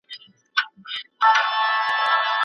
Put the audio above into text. قوي خلک تر پایه جنګیږي.